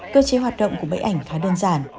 cơ chế hoạt động của máy ảnh khá đơn giản